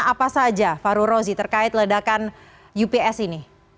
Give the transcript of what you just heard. apa saja farul rozi terkait ledakan ups ini